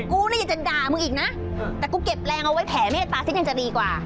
กูเนี่ยอยากจะด่ามึงอีกนะแต่กูเก็บแรงเอาไว้แผ่เมตตาฉันยังจะดีกว่า